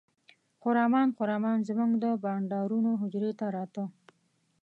خرامان خرامان زموږ د بانډارونو حجرې ته راته.